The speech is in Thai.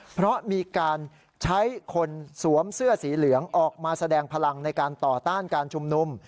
เพราะมีการใช้คนสวมเสื้อสีเหลืองออกมาแสดงพลังในการต่อต้านการชุมนุม